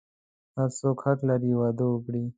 هر څوک حق لری واده وکړی